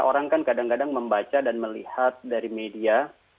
orang kan kadang kadang membaca dan melihat dari media